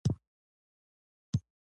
تاسو د ټولنیز منزلت څخه بې برخې کیږئ.